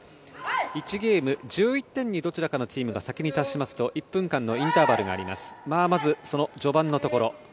１ゲーム１１点にどちらかのチームが先に達しますと１分間のインターバルがあります。